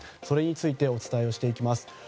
それについてお伝えしていきます。